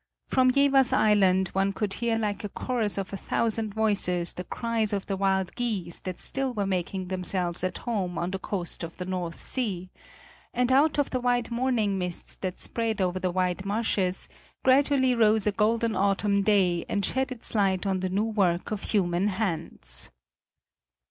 From Jevers Island one could hear like a chorus of a thousand voices the cries of the wild geese that still were making themselves at home on the coast of the North Sea, and out of the white morning mists that spread over the wide marshes, gradually rose a golden autumn day and shed its light on the new work of human hands.